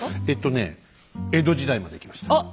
えっとね江戸時代までいきました。